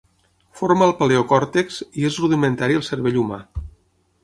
Forma el paleocòrtex i és rudimentari al cervell humà.